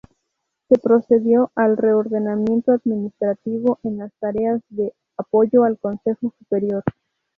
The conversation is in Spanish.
Se procedió al reordenamiento administrativo en las tareas de apoyo al Consejo Superior.